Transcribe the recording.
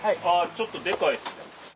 ・ちょっとデカいですね・